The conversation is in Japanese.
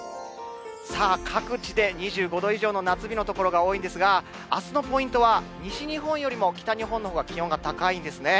さあ、各地で２５度以上の夏日の所が多いんですが、あすのポイントは、西日本よりも北日本のほうが気温が高いんですね。